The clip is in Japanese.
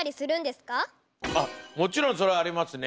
もちろんそれはありますね。